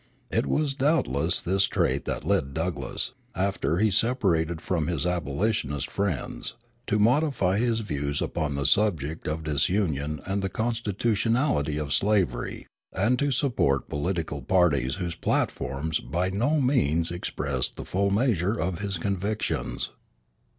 It was doubtless this trait that led Douglass, after he separated from his abolitionist friends, to modify his views upon the subject of disunion and the constitutionality of slavery, and to support political parties whose platforms by no means expressed the full measure of his convictions.